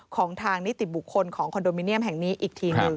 ของทางนิติบุคคลของคอนโดมิเนียมแห่งนี้อีกทีหนึ่ง